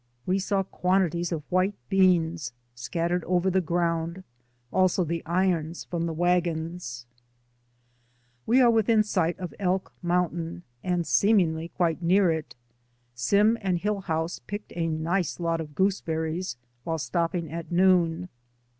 We saw quantities of white beans scattered over the ground, also the irons from the wagons. DAYS ON THE ROAD. 153 We are within sight of Elk Mountain and seemingly quite near it. Sim and Hillhouse picked a nice lot of gooseberries while stop ping at noon.